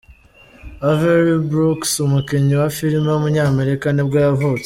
Avery Brooks, umukinnyi wa film w’umunyamerika nibwo yavutse.